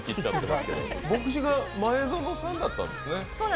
牧師が前園さんだったんですね。